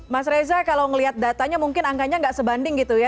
mas reza kalau melihat datanya mungkin angkanya nggak sebanding gitu ya